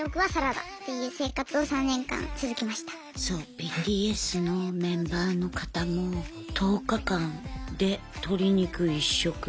ＢＴＳのメンバーの方も１０日間で鶏肉１食。